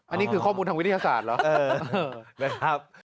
อันนี้คือข้อมูลทางวิทยาศาสตร์เหรอนะครับ